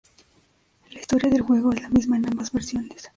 La historia del juego es la misma en ambas versiones.